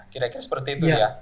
kira kira seperti itu ya